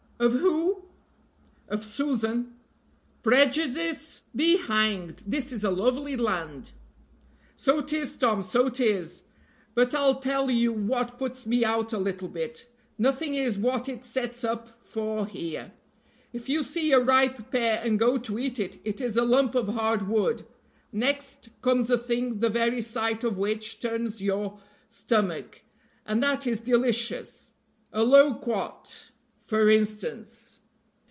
"Of who?" "Of Susan!" "Prejudice be hanged, this is a lovely land." "So 'tis, Tom, so 'tis. But I'll tell you what puts me out a little bit; nothing is what it sets up for here. If you see a ripe pear and go to eat it, it is a lump of hard wood. Next comes a thing the very sight of which turns your stomach and that is delicious, a loquot, for instance.